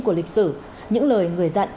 của lịch sử những lời người dặn